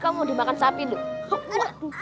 kamu udah makan sapi nih